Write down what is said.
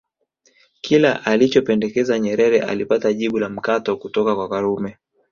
Kila alichopendekeza Nyerere alipata jibu la mkato kutoka kwa Karume